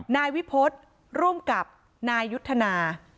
นายวิพฤษร่วมกับนายยุทธนา